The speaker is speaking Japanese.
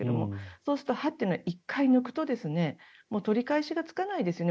そうすると歯は１回抜くと取り返しがつかないですよね。